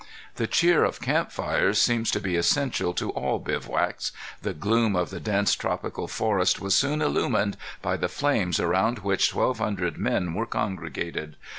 The cheer of camp fires seems to be essential to all bivouacs. The gloom of the dense tropical forest was soon illumined by the flames around which twelve hundred men were congregated.